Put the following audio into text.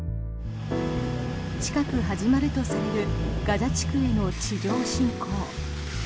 近く始まるとされているガザ地区への地上侵攻。